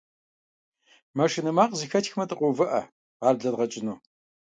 Машинэ макъ зэхэтхамэ, дыкъоувыӀэ, ар блэдгъэкӀыну.